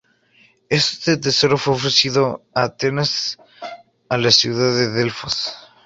Este tesoro fue ofrecido por Atenas a la ciudad de Delfos.